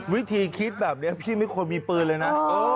วิธีคิดแบบนี้พี่ไม่ควรมีปืนเลยนะ